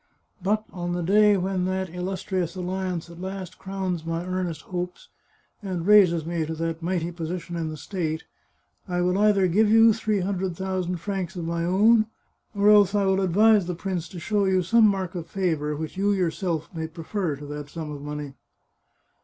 But, on the day when that illustrious alliance at last crowns my earnest hopes, and raises me to that mighty position in the state, I will either give you three hundred thousand francs of my own, or else I will advise the prince to show you some mark of favour, which you yourself may prefer to that sum of money."